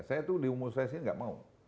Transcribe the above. saya itu di umur saya sendiri tidak mau